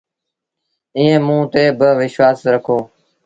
ايٚئيٚنٚ موٚنٚ تي با وشوآس رکو۔